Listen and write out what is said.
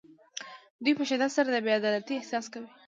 دوی په شدت سره د بې عدالتۍ احساس کوي.